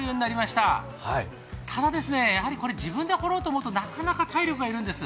ただ、やはり自分で掘ろうとおもうとなかなか体力が要るんです。